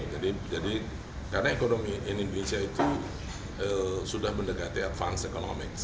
jadi karena ekonomi indonesia itu sudah mendekati advance economics